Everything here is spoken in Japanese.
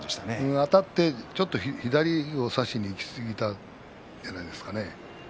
あたって左を差しにいきすぎたんじゃないですかね。